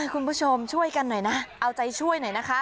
คุณผู้ชมช่วยกันหน่อยนะเอาใจช่วยหน่อยนะคะ